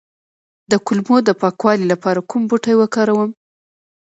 د کولمو د پاکوالي لپاره کوم بوټی وکاروم؟